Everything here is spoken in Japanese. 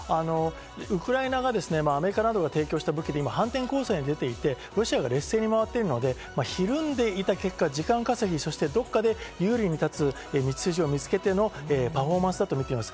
ウクライナがアメリカなどが提供した武器で反転攻勢に出ていて、ロシアが劣勢に回っているので、ひるんでいた結果、時間稼ぎ、そしてどこかで有利に立つ道筋を見つけてのパフォーマンスだとみています。